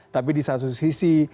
tapi di satu sisi